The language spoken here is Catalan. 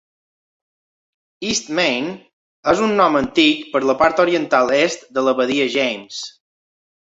"East Main" és un nom antic per la part oriental est de la badia James.